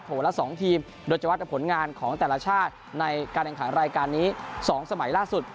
ละ๒ทีมโดยเฉพาะแต่ผลงานของแต่ละชาติในการแข่งขันรายการนี้๒สมัยล่าสุด